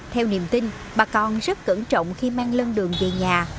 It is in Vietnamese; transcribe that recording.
theo niềm tin bà con rất cẩn trọng khi mang lân đường về nhà